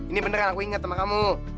ini beneran aku inget sama kamu